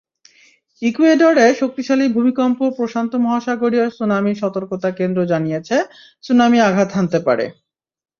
ইকুয়েডরে শক্তিশালী ভূমিকম্পপ্রশান্ত মহাসাগরীয় সুনামি সতর্কতা কেন্দ্র জানিয়েছে, সুনামি আঘাত হানতে পারে।